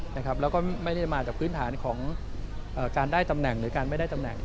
แล้วก็ไม่ได้มาจากพื้นฐานของการได้ตำแหน่งหรือการไม่ได้ตำแหน่ง